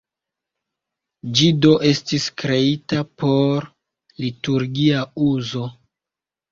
Ĝi do estis kreita por liturgia uzo.